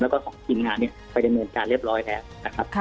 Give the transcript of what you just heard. แล้วก็ของกลิ่นงานเนี่ยไปในเมืองการเรียบร้อยแทบนะครับ